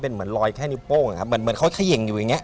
เหมือนเข้าเขยิงอยู่แบบนี้